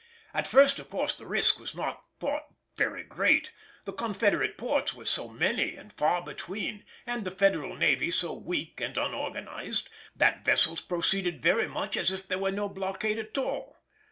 At first, of course, the risk was not thought very great; the Confederate ports were so many and far between, and the Federal navy so weak and unorganised, that vessels proceeded very much as if there was no blockade at all.